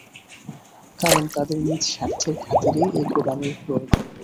কারণ তাঁদের নিজ স্বার্থের খাতিরেই এ গোঁড়ামির প্রয়োজন রয়েছে।